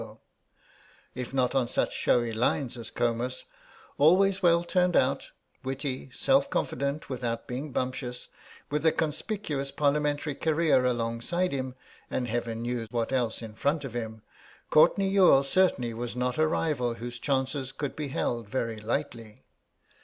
Good looking in his own way, if not on such showy lines as Comus, always well turned out, witty, self confident without being bumptious, with a conspicuous Parliamentary career alongside him, and heaven knew what else in front of him, Courtenay Youghal certainly was not a rival whose chances could be held very lightly.